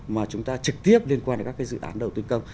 mà chúng ta trực tiếp liên quan đến các cái dự án đầu tư công